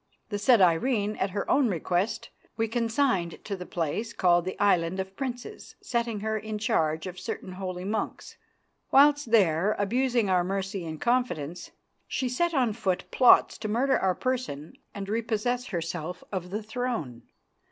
The said Irene, at her own request, we consigned to the place called the Island of Princes, setting her in charge of certain holy monks. Whilst there, abusing our mercy and confidence, she set on foot plots to murder our Person and repossess herself of the throne.